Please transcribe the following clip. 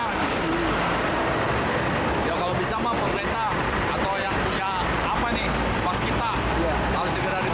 kalau bisa pemerintah atau yang punya pas kita harus diperbaiki